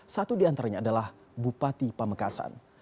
satu di antaranya adalah bupati pamekasan